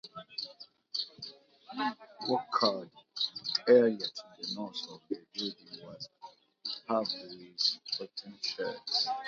A courtyard area to the north of the building was paved with pottery sherds.